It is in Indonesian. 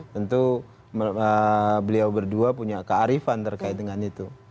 tentu beliau berdua punya kearifan terkait dengan itu